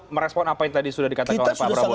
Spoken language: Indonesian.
merespon apa yang tadi sudah dikatakan oleh pak prabowo